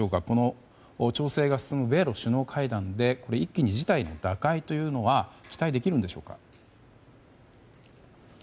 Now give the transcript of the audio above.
この調整が進む米露首脳会談で一気に事態の打開は期待できるんでしょうか。